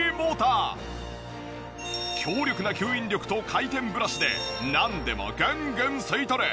強力な吸引力と回転ブラシでなんでもグングン吸い取る。